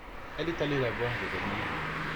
Elle est allée la voir de bonne heure.